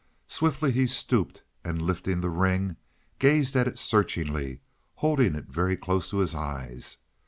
Swiftly he stooped, and lifting the ring, gazed at it searchingly, holding it very close to his eyes.